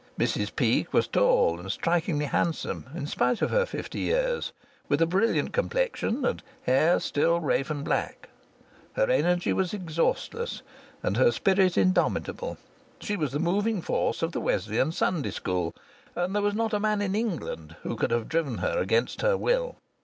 Mrs Peake was tall, and strikingly handsome in spite of her fifty years, with a brilliant complexion and hair still raven black; her energy was exhaustless, and her spirit indomitable; she was the moving force of the Wesleyan Sunday School, and there was not a man in England who could have driven her against her will.